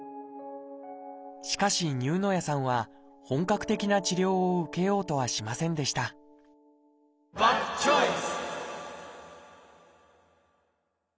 しかし丹生谷さんは本格的な治療を受けようとはしませんでしたバッドチョイス！